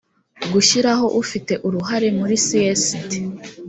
gushyiraho ufite uruhare muri csd